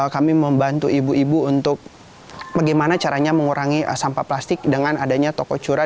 kami membantu ibu ibu untuk bagaimana caranya mengurangi sampah plastik dengan adanya toko curah